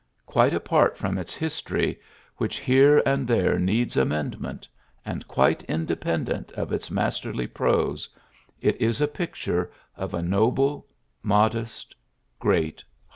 Quite apart from its history, which here and there needs amendment, and quite independent of its masterly prose, it is a picture of a noble, modest, great heart.